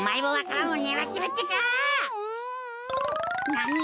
なに？